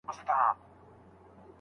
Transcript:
د نکاح لپاره ايجاب او قبول غوښتل کيږي.